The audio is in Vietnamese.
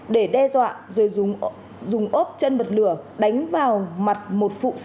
để đe dọa rồi dùng ốp chân bật lửa đánh vào mặt một phụ nữ